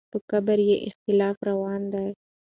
په قبر یې اختلاف روان دی.